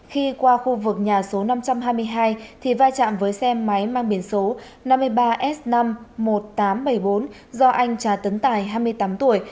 khi qua khu vực nhà số năm trăm hai mươi hai thì va chạm với xe máy mang biển số năm mươi ba s năm một nghìn tám trăm bảy mươi bốn do anh trà tấn tài hai mươi tám tuổi